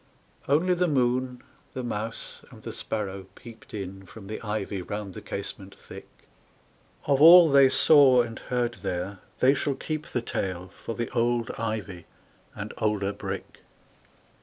Only the moon, the mouse, and the sparrow peeped In from the ivy round the casement thick. Of all they saw and heard there they shall keep The tale for the old ivy and older brick.